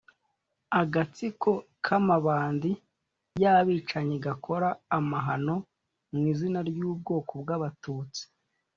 agatsiko k'Amabandi y'abicanyi, gakora amahano mu izina ry'ubwoko bw'abatutsi,